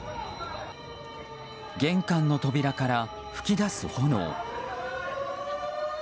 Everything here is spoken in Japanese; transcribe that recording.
玄関の扉から噴き出す炎。